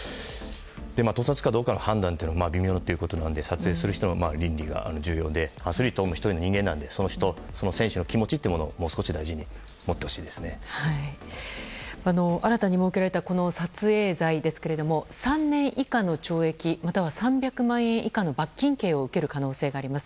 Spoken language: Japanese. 盗撮かどうかの判断は微妙ということなので撮影する人の倫理が重要でアスリートも１人の人間なのでその人、その選手の気持ちをもう少し大事に新たに設けられた撮影罪ですが３年以下の懲役または３００万円以下の罰金刑を受ける可能性があります。